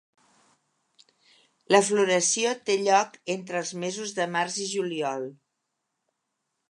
La floració té lloc entre els mesos de març i juliol.